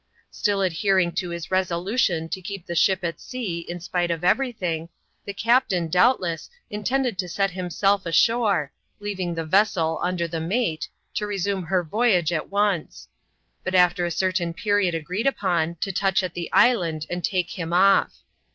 Still adhering to his resolution to keep the ship at sea in spite of every thing, the captain, doubtless, intended to set himself ashore, leaving the vessel under the mate, to resume her voyage at once ; but after a certain period agreed upon, to touch at the island and take him off.